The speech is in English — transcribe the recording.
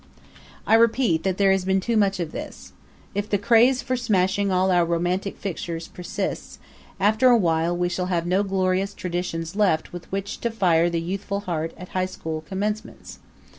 I repeat that there has been too much of this. If the craze for smashing all our romantic fixtures persists, after a while we shall have no glorious traditions left with which to fire the youthful heart at high school commencements.